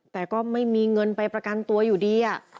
แต่ก็ไม่มีเงินไปประกันตัวอยู่ดี